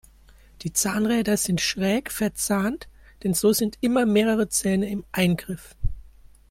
Die Zahnräder sind schräg verzahnt, denn so sind immer mehrere Zähne im Eingriff.